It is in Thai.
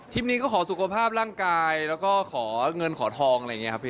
ถีมนี้ก็ขอสุขภาพร่างกายแล้วก็เงินของทอง